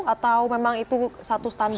atau memang itu satu standar